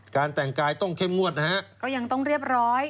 แต่งกายต้องเข้มงวดนะฮะก็ยังต้องเรียบร้อย